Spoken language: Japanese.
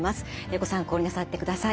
ご参考になさってください。